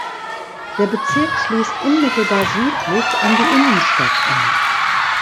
Der Bezirk schließt unmittelbar südlich an die Innenstadt an.